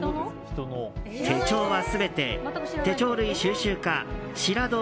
手帳は全て、手帳類収集家志良堂